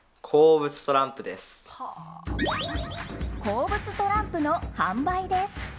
鉱物トランプの販売です。